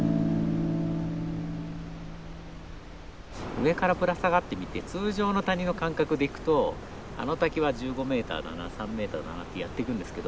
上からぶら下がってみて通常の谷の感覚でいくとあの滝は１５メーターだな３メーターだなってやっていくんですけど